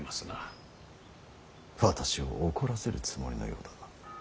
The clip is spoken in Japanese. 私を怒らせるつもりのようだ。